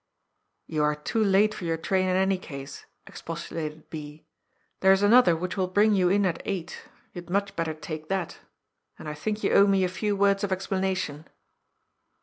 " You are too late for your train in any case," expostu lated B. '' There is another which will bring you in at eight You had much better take that. And I think you owe me a few words of explanation."